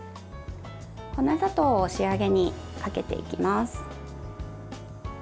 粉砂糖を仕上げにかけていきます。